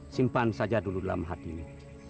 simpan saja dulu dalam hatimu